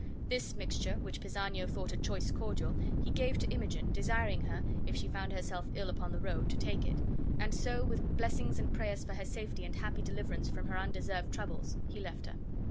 This mixture, which Pisanio thought a choice cordial, he gave to Imogen, desiring her, if she found herself ill upon the road, to take it; and so, with blessings and prayers for her safety and happy deliverance from her undeserved troubles, he left her.